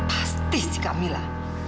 pasti sih kamila